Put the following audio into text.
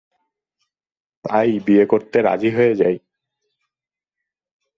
তাই বিয়ে করতে রাজী হয়ে যাই।